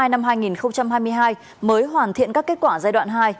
năm hai nghìn hai mươi hai mới hoàn thiện các kết quả giai đoạn hai